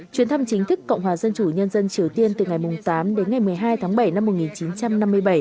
chuyến thăm chính thức cộng hòa dân chủ nhân dân triều tiên từ ngày tám đến ngày một mươi hai tháng bảy năm một nghìn chín trăm năm mươi bảy